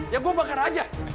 ya gua bakar aja